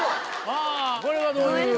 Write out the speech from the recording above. これはどういう？